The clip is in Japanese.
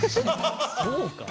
そうか？